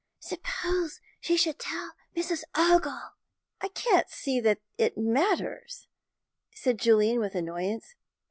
Suppose she should tell Mrs. Ogle." "I can't see that it matters," said Julian, with annoyance.